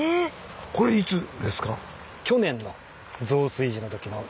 これいつですか？